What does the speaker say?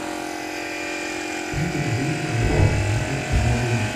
He sentit a dir que la Pobla Llarga és molt bonic.